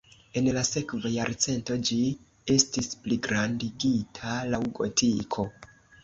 En la sekva jarcento ĝi estis pligrandigita laŭ gotiko.